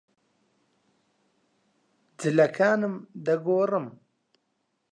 جلەکانم دەگۆڕم.